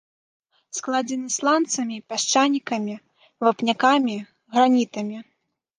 Складзены сланцамі, пясчанікамі, вапнякамі, гранітамі.